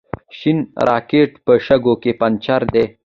شین راکېټ په شګو کې پنجر دی.